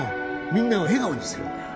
みんなを笑顔にするんだ